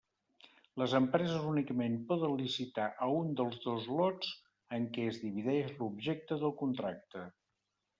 Les empreses únicament poden licitar a un dels dos lots en què es divideix l'objecte del contracte.